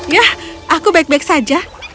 ya aku baik baik saja